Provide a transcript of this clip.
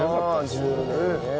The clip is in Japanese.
１０年ね。